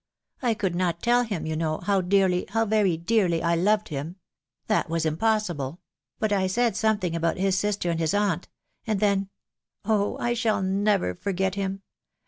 ... I could not tell him, you know, how dearly, how very dearly, I loved him !.... that was impos sible !.... but I said something about his sister and his aunt ; and then •,.. oh ! I shall never forget him